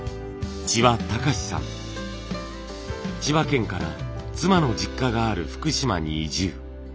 千葉県から妻の実家がある福島に移住。